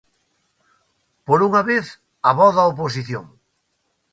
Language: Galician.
Por unha vez, a voz da oposición.